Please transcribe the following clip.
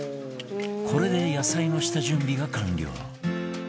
これで野菜の下準備が完了